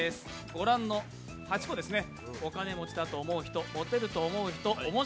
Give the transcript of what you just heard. ご覧の８個ですね。